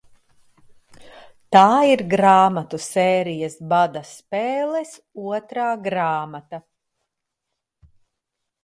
"Tā ir grāmatu sērijas "Bada spēles" otrā grāmata."